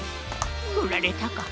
ふられたか。